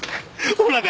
ほらね！